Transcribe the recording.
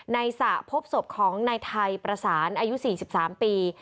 สระพบศพของนายไทยประสานอายุ๔๓ปี